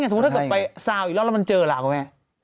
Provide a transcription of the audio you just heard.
สมมุติถ้าเกิดไปซาวอีกรอบแล้วมันเจอล่ะคุณแม่